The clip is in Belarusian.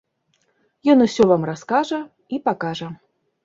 Ён вам усё раскажа і пакажа.